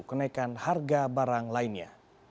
kenaikan harga barang lainnya